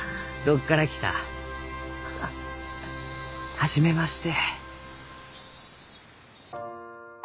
初めまして。